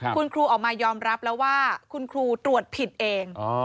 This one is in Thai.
คุณครูออกมายอมรับแล้วว่าคุณครูตรวจผิดเอง